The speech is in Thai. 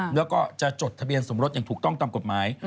แล้วก็จะจดทะเบียนสมรสอย่างถูกต้องตามกฎหมาย